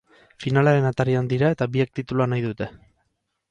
Finalaren atarian dira eta biek titulua nahi dute.